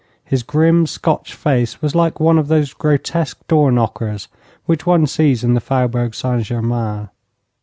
His grim, Scotch face was like one of those grotesque door knockers which one sees in the Faubourg St Germain.